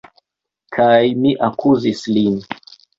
Kaj mi akuzis lin!